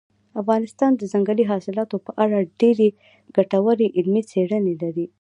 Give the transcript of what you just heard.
افغانستان د ځنګلي حاصلاتو په اړه ډېرې ګټورې علمي څېړنې لري.